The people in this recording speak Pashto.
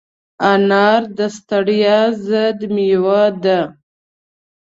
انار د ستړیا ضد مېوه ده.